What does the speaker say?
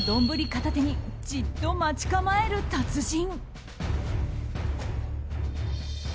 片手にじっと待ち構える達人。